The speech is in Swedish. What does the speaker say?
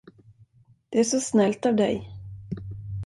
Det är så snällt av dig.